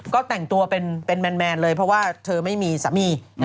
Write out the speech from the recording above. ก็แต่งตัวเป็นแมนเลยเพราะว่าเธอไม่มีสามี